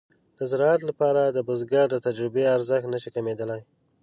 د زراعت لپاره د بزګر د تجربې ارزښت نشي کمېدلای.